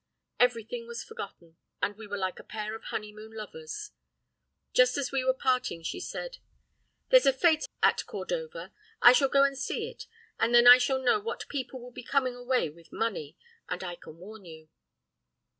Everything was forgotten, and we were like a pair of honeymoon lovers. Just as we were parting she said, 'There's a fete at Cordova; I shall go and see it, and then I shall know what people will be coming away with money, and I can warn you.